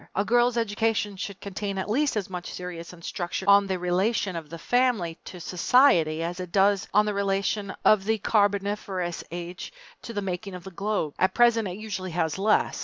A girl's education should contain at least as much serious instruction on the relation of the family to Society as it does on the relation of the Carboniferous Age to the making of the globe. At present, it usually has less.